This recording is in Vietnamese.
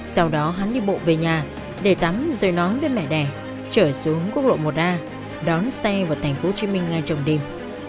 sau đó hắn đi bộ về nhà để tắm rồi nói với mẹ đẻ trở xuống quốc lộ một a đón xe vào tp hcm ngay trong đêm